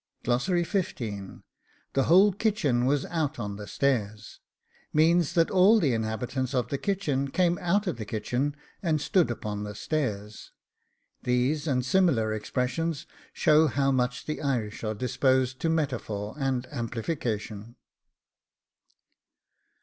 THE WHOLE KITCHEN WAS OUT ON THE STAIRS means that all the inhabitants of the kitchen came out of the kitchen, and stood upon the stairs. These, and similar expressions, show how much the Irish are disposed to metaphor and amplification.